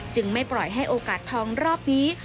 ไม่ปล่อยให้โอกาสทองรอบนี้